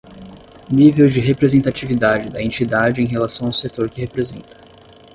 Nível de representatividade da entidade em relação ao setor que representa.